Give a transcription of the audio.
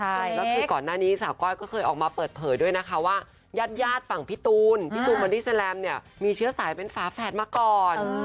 พอก่อนหน้านี้สาวก้อยเคยมาเปิดเพิ่ลด้วยนะคะว่ายาดฝั่งพี่ตูลพี่ตูลเมดี้แซมมีเชื้อสายเป็นฝาแฟดมาก่อน